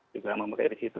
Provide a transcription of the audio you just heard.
juga memakai di situ